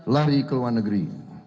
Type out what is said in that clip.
lari ke luar negeri